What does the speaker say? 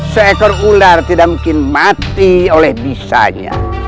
seekor ular tidak mungkin mati oleh bisanya